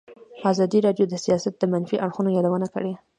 ازادي راډیو د سیاست د منفي اړخونو یادونه کړې.